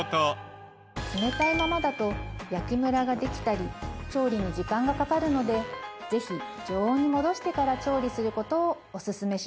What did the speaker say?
冷たいままだと焼きムラができたり調理に時間がかかるのでぜひ常温に戻してから調理する事をオススメします。